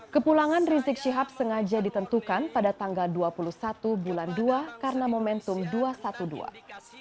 kepulangan rizik syihab sengaja ditentukan pada tanggal dua puluh satu bulan dua karena momen sujarah